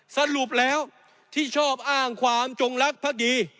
สรุปแล้วที่ชอบอ้างความจงรักภักดี